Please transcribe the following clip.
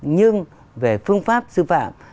nhưng về phương pháp sư phạm